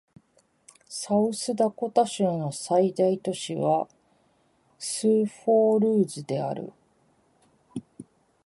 サウスダコタ州の最大都市はスーフォールズである